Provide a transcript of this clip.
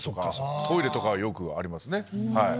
トイレとかはよくありますね。